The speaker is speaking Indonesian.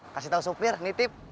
kasih tahu sopir nitip